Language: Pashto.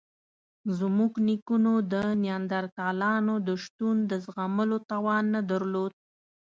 زموږ نیکونو د نیاندرتالانو د شتون د زغملو توان نه درلود.